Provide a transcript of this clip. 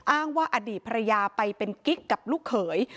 อ้างว่าอดีตภรรยาไปเป็นกิ๊กกับลูกเขย